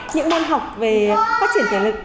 những môn học về phát triển thể lực